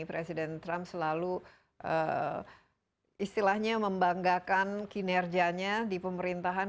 presiden trump selalu istilahnya membanggakan kinerjanya di pemerintahan